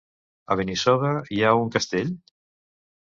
A Benissoda hi ha un castell?